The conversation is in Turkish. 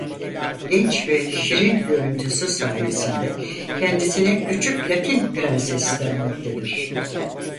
Genç ve şirin görüntüsü sayesinde kendisine "Küçük Latin Prenses" denmektedir.